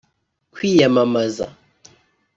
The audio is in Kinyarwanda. kwiyamamaza